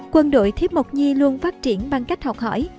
quân đội thiếp mộc nhi luôn phát triển bằng cách học hỏi